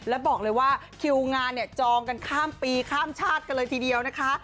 แล้วบอกเลยว่าคิวงานเนี่ยจองกันข้ามปีข้ามชาติกันเลยทีเดียวนะคะ